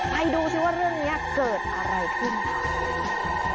ไปดูซิว่าเรื่องนี้เกิดอะไรขึ้นค่ะ